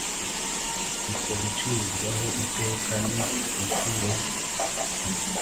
Uko gucirwaho iteka ni ukue